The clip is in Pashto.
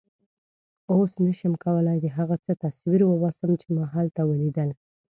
اوس نه شم کولای د هغه څه تصویر وباسم چې ما هلته ولیدل.